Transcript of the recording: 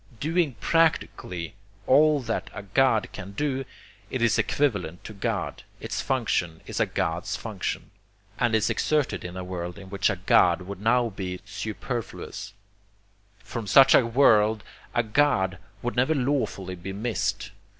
Doing practically all that a God can do, it is equivalent to God, its function is a God's function, and is exerted in a world in which a God would now be superfluous; from such a world a God could never lawfully be missed.